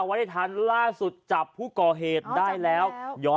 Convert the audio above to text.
วัยทรรภ์ล่าสุดจับผู้ก่อเหตุได้แล้วอ๋อจับแล้ว